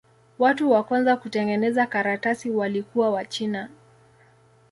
Watu wa kwanza kutengeneza karatasi walikuwa Wachina.